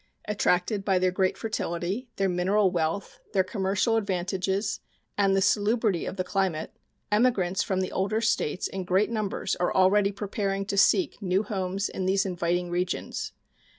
Attracted by their great fertility, their mineral wealth, their commercial advantages, and the salubrity of the climate, emigrants from the older States in great numbers are already preparing to seek new homes in these inviting regions.